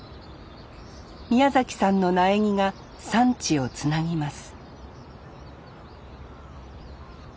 宮崎さんの苗木が産地をつなぎます